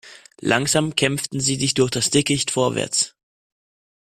Langsam kämpften sie sich durch das Dickicht vorwärts.